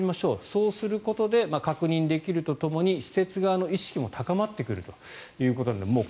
そうすることで確認できるとともに施設側の意識も高まってくるということなのでもう